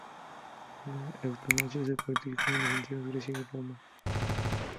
La eutanasia se practicó en las antiguas Grecia y Roma.